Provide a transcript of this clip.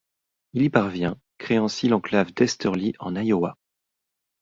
Il y parvient, créant ainsi l'enclave d'Easterly, en Iowa.